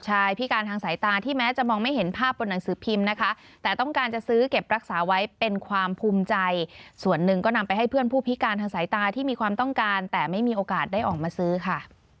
พิการทางสายตาที่แม้จะมองไม่เห็นภาพบนหนังสือพิมพ์นะคะแต่ต้องการจะซื้อเก็บรักษาไว้เป็นความภูมิใจส่วนหนึ่งก็นำไปให้เพื่อนผู้พิการทางสายตาที่มีความต้องการแต่ไม่มีโอกาสได้ออกมาซื้อค่ะ